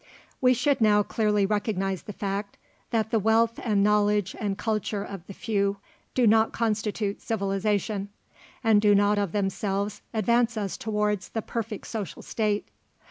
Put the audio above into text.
We should now clearly recognise the fact, that the wealth and knowledge and culture of the few do not constitute civilization, and do not of themselves advance us towards the "perfect social state."